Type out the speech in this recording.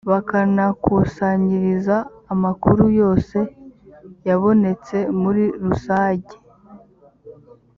bakanakusanyiriza amakuru yose yabonetse muri rusanjye